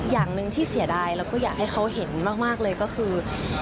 อย่างหนึ่งที่เสียดายแล้วก็อยากให้เขาเห็นมากเลยก็คือ